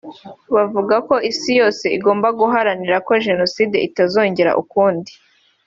bavuga ko isi yose igomba guharanira ko Jenoside itazongera ukundi